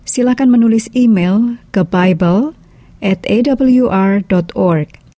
silakan menulis email ke bible awr org